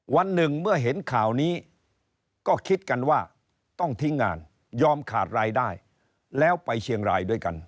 วันหนึ่งเมื่อเห็นข่าวนี้ก็คิดกันว่าต้องทิ้งงานยอมขาดรายได้แล้วไปเชียงรายด้วยกัน